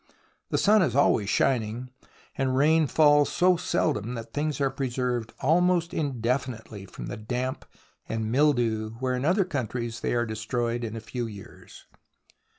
The sun is always shining, and rain falls so seldom that things are preserved almost indefinitely from damp and mildew where in other countries they are destroyed in a few years.